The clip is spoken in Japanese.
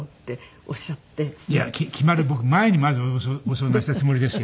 いや決まる前にまずご相談したつもりですよ。